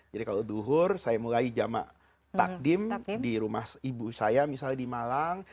jadi kalau duhur saya mulai jamak takdim di rumah ibu saya misalnya di malang